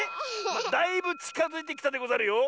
だいぶちかづいてきたでござるよ。